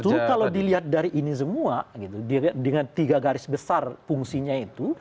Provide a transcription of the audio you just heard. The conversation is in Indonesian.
justru kalau dilihat dari ini semua dengan tiga garis besar fungsinya itu